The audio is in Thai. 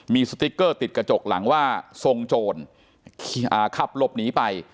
มีสติ๊กเกอร์ติดกระจกหลังว่าทรงโจรขับหลบหนีไป